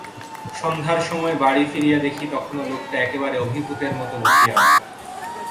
সন্ধ্যার সময় বাড়ি ফিরিয়া দেখি তখনো লোকটা একেবারে অভিভূতের মতো বসিয়া আছে।